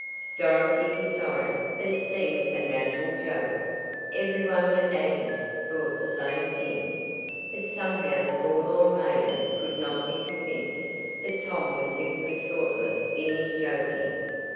Dorothy was sorry, but it seemed a natural joke. Every one but Agnes thought the same thing, but somehow the forlorn maiden could not be convinced that Tom was simply thoughtless in his joking.